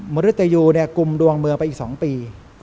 มริตยูกุมดวงเมืองไปอีก๒ปี